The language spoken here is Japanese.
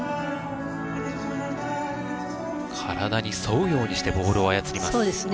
体に沿うようにしてボールを操ります。